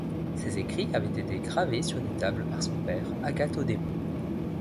Ces écrits avaient été gravés sur des tables par son père Agathodémon.